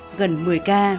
nên phải đi nhiều hơn